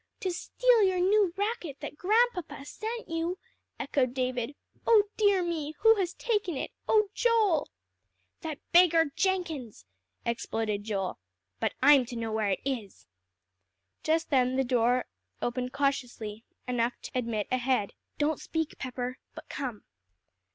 "To steal your new racket that Grandpapa sent you!" echoed David. "Oh dear me! who has taken it? Oh Joel!" "That beggar Jenkins," exploded Joel. "But I'm to know where it is." Just then the door opened cautiously, enough to admit a head. "Don't speak, Pepper, but come."